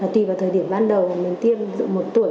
tùy vào thời điểm ban đầu mình tiêm được một tuổi